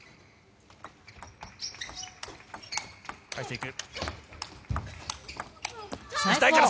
返していく。